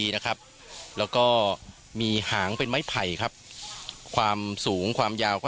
นะครับแล้วก็มีหางเป็นไม้ไผ่ครับความสูงความยาวก็